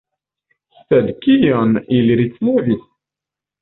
Sed kion ili ricevis?